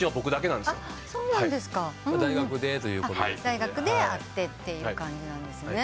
大学で会ってという感じなんですね。